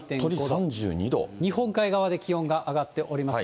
日本海側で気温が上がっております。